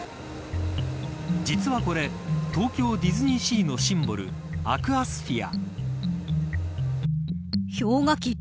実はこれ東京ディズニーシーのシンボルアクアスフィア。